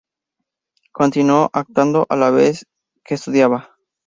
Continuó actuando a la vez que estudiaba.